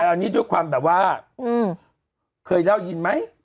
อันนี้ด้วยความแบบว่าเคยได้ยินไหม